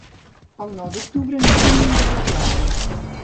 El nou d'octubre na Gemma irà a la platja.